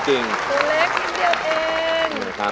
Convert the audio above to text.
ตัวเล็กนิดเดียวเอง